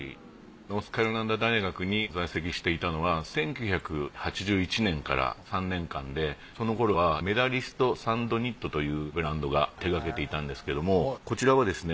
ノースカロライナ大学に在籍していたのは１９８１年から３年間でその頃はメダリスト・サンドニットというブランドが手がけていたんですけどもこちらはですね